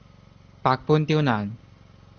百般刁難